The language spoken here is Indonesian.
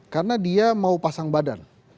karena dia mau pasang badan